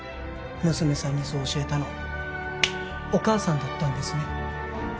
娘さんにそう教えたのはお母さんだったんですね